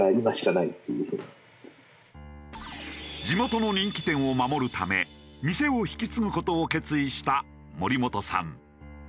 地元の人気店を守るため店を引き継ぐ事を決意した森本さん。